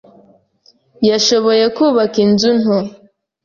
Yashoboye kubaka inzu nto.